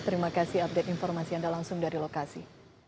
terima kasih update informasi anda langsung dari lokasi